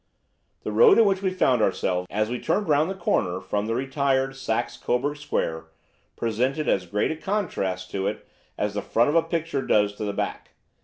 The road in which we found ourselves as we turned round the corner from the retired Saxe Coburg Square presented as great a contrast to it as the front of a picture does to the back.